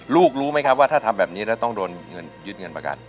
รู้ไหมครับว่าถ้าทำแบบนี้แล้วต้องโดนเงินยึดเงินประกัน